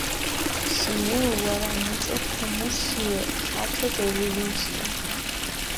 სი მეუ ვარა, მუჭო ქუმურსიე, ხათე დორჸვილუნსია.